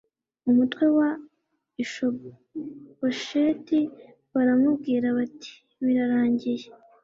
umutwe wa Ishibosheti baramubwira bati birarangiye